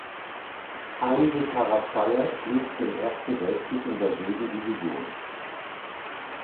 Einige Karatschaier dienten im Ersten Weltkrieg in der Wilden Division.